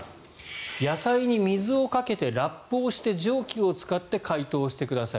野菜に水をかけてラップをして蒸気を使って解凍してください。